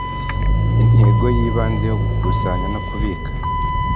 intego y ibanze yo gukusanya no kubika